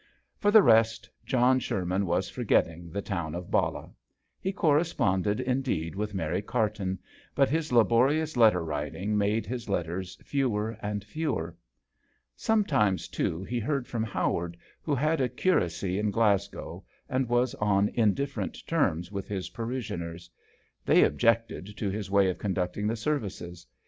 For the rest John Sherman was forgetting the town of Ballah. He corresponded indeed with Mary Carton, but his la borious letter writing made his letters fewer and fewer. Some times, too, he heard from Howard, who had a curacy in Glasgow and was on indifferent terms with his parishioners. They objected to his way of conducting the services.